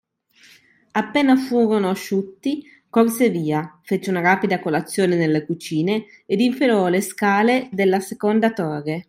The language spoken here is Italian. Appena furono asciutti, corse via, fece una rapida colazione nelle cucine ed infilò le scale della seconda torre.